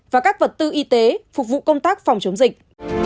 và các vật tư y tế phục vụ công tác phòng chống dịch